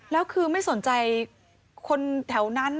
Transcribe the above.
แล้วคือไม่สนใจคนแถวนั้น